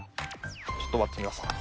ちょっと割ってみますか。